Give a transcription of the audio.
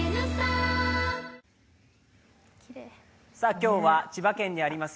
今日は千葉県にあります